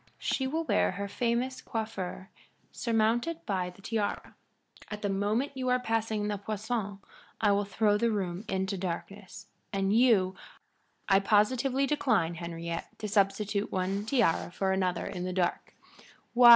She will wear her famous coiffure surmounted by the tiara. At the moment you are passing the poisson I will throw the room into darkness, and you " "I positively decline, Henriette, to substitute one tiara for another in the dark.